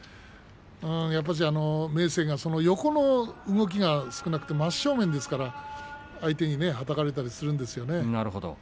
やっぱり明生が、横の動きが少なくて真正面ですから相手にはたかれたりするんですよね。